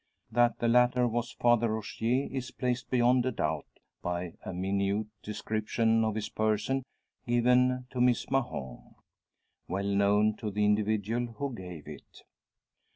That the latter was Father Rogier is placed beyond a doubt by a minute description of his person given to Miss Mahon, well known to the individual who gave it.